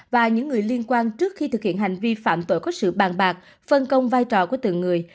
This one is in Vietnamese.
và những người liên quan trước khi thực hiện hành vi phạm tội có sự bàn bạc phân công vai trò của từng người